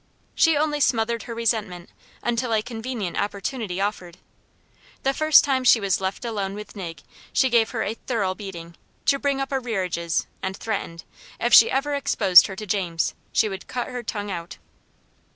She only smothered her resentment until a convenient opportunity offered. The first time she was left alone with Nig, she gave her a thorough beating, to bring up arrearages; and threatened, if she ever exposed her to James, she would "cut her tongue out."